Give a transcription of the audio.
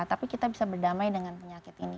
tapi kita bisa berdamai dengan penyakit ini